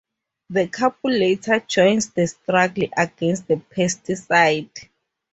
The couple later joins the struggle against the pesticide.